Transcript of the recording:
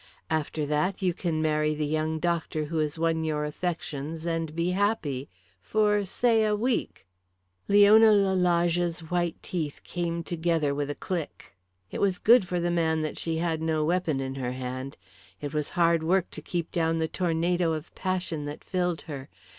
After that you can marry the young doctor who has won your affections and be happy for, say a week." Leona Lalage's white teeth came together with a click. It was good for the man that she had no weapon in her hand. It was hard work to keep down the tornado of passion that filled her.